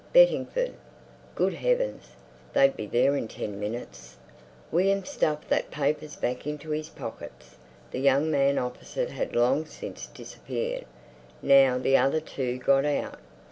Bettingford. Good heavens! They'd be there in ten minutes. William stuffed that papers back into his pockets; the young man opposite had long since disappeared. Now the other two got out.